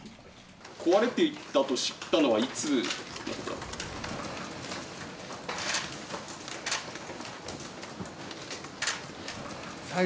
壊れていたと知ったのは、いつだった？